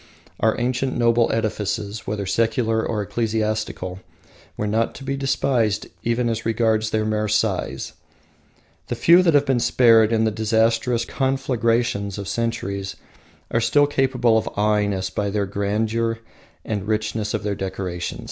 Our ancient noble edifices, whether secular or ecclesiastical, were not to be despised even as regards their mere size. The few that have been spared in the disastrous conflagrations of centuries are still capable of aweing us by the grandeur and richness of their decoration.